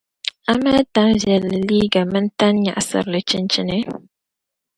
a mali tan'viɛlli liiga mini tan' nyɛlsirili chinchina.